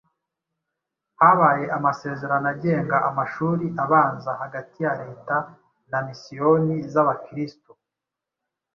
habaye amasezerano agenga amashuri abanza hagati ya Leta na Misiyoni z'abakristu